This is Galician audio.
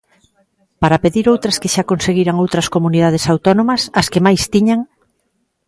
¿Para pedir outras que xa conseguiran outras comunidades autónomas, as que máis tiñan?